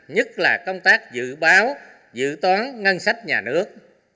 nhất là công tác dự báo dự toán ngân sách nhà nước